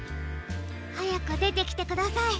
はやくでてきてください